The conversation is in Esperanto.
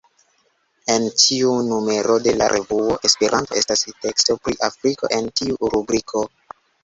En ĉiu numero de la revuo Esperanto estas teksto pri Afriko en tiu rubriko.